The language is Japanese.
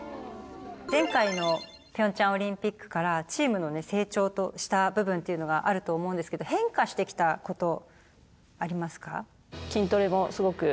前回の平昌オリンピックからチームの成長した部分っていうのがあると思うんですけど変化して来たことありますか？